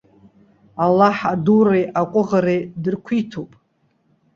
Аллаҳ адуреи аҟәыӷареи дырқәиҭуп.